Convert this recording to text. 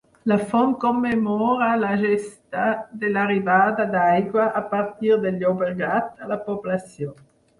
La font commemora la gesta de l'arribada d'aigua, a partir del Llobregat, a la població.